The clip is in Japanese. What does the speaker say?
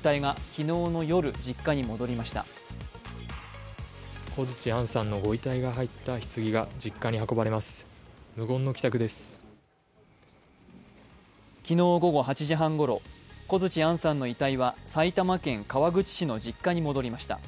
昨日午後８時半ごろ、小槌杏さんの遺体は埼玉県川口市の実家に戻りました。